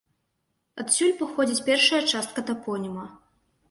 Адсюль паходзіць першая частка тапоніма.